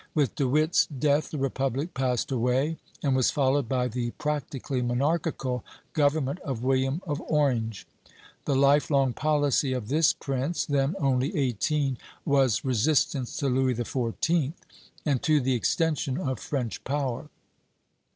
With De Witt's death the republic passed away, and was followed by the practically monarchical government of William of Orange. The life long policy of this prince, then only eighteen, was resistance to Louis XIV. and to the extension of French power.